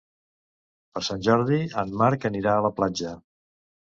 Per Sant Jordi en Marc anirà a la platja.